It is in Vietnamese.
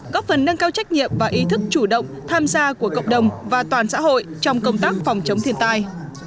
góp phần nâng cao trách nhiệm và ý thức chủ động tham gia của cộng đồng và toàn xã hội trong công tác phòng chống thiên tai